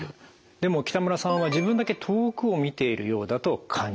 でも北村さんは自分だけ遠くを見ているようだと感じる。